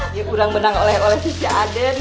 dia kurang menang oleh si caden